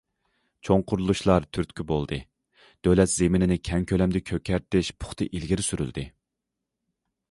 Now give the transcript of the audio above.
—— چوڭ قۇرۇلۇشلار تۈرتكە بولدى، دۆلەت زېمىنىنى كەڭ كۆلەمدە كۆكەرتىش پۇختا ئىلگىرى سۈرۈلدى.